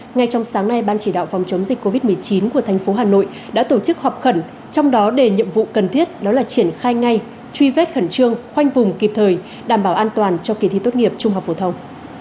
ngay trong sáng nay ban chỉ đạo phòng chống dịch covid một mươi chín của thành phố hà nội đã tổ chức họp khẩn trong đó đề nhiệm vụ cần thiết đó là triển khai ngay truy vết khẩn trương khoanh vùng kịp thời đảm bảo an toàn cho kỳ thi tốt nghiệp trung học phổ thông